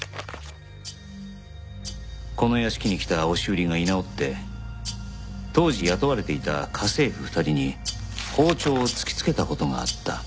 この屋敷に来た押し売りが居直って当時雇われていた家政婦２人に包丁を突きつけた事があった。